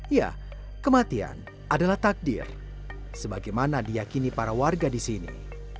ya kematian adalah takdir sebagaimana diyakini para warga di sini